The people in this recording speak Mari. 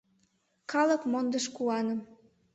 Калык мондыш куаным.